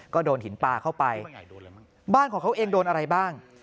ก็โดนหินปลาเข้าไปบ้านของเขาเองโดนอะไรบ้าง